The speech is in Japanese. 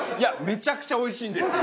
めちゃくちゃおいしいんですよ。